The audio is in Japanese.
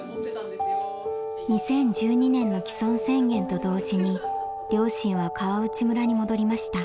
２０１２年の帰村宣言と同時に両親は川内村に戻りました。